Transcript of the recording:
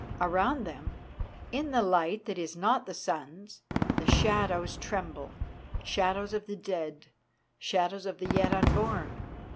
Around them, in the light that is not the sun's, the shadows tremble shadows of the dead, shadows of the yet unborn.